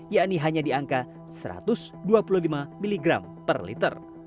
yakni hanya di angka satu ratus dua puluh lima mg per liter